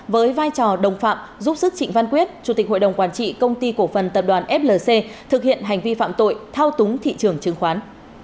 với vai trò đồng phạm giúp sức trịnh văn quyết chủ tịch hội đồng quản trị công ty cổ phần tập đoàn flc thực hiện hành vi phạm tội thao túng thị trường chứng khoán